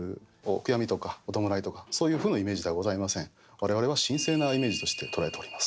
我々は神聖なイメージとして捉えております。